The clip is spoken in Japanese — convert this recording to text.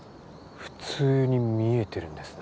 普通に見えてるんですね